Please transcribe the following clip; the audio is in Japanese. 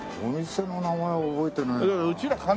お店の名前は覚えてないな。